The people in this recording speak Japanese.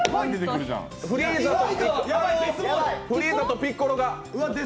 フリーザとピッコロが。